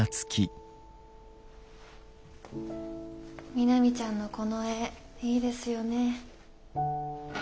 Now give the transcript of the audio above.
みなみちゃんのこの絵いいですよねえ。